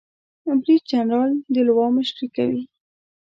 بریدجنرال د لوا مشري کوي